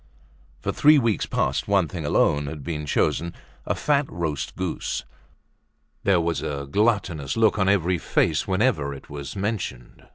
For three weeks past one thing alone had been chosen—a fat roast goose. There was a gluttonous look on every face whenever it was mentioned.